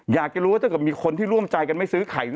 อยากจะรู้ว่าถ้าเกิดมีคนที่ร่วมใจกันไม่ซื้อไข่